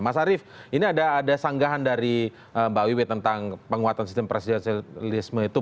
mas arief ini ada sanggahan dari mbak wiwi tentang penguatan sistem presidensialisme itu